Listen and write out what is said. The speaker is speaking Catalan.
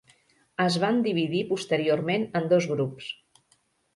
Es van dividir posteriorment en dos grups.